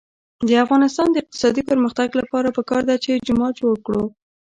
د افغانستان د اقتصادي پرمختګ لپاره پکار ده چې جومات جوړ کړو.